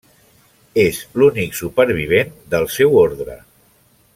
És l'únic supervivent del seu ordre.